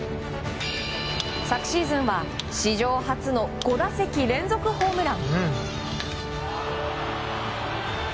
昨シーズンは史上初の５打席連続ホームラン。